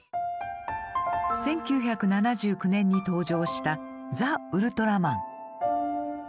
１９７９年に登場した「ザ☆ウルトラマン」。